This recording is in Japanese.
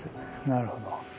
なるほど。